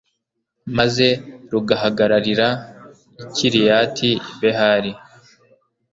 maze rugahagararira i kiriyati behali